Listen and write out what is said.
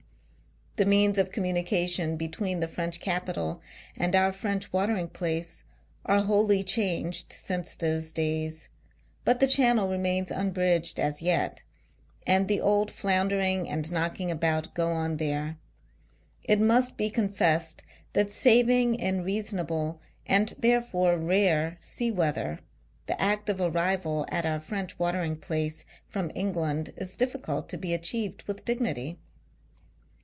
The means of communication between the French capital and our French watering place are wholly changed since those days ; but, the Channel remains unbridged as yet, and the old floundering and knocking about go on there. It must be confessed that saving in reasonable (and therefore rare) sea weather, the act of arrival at our French watering place from England is difficult to be achieved with dignity.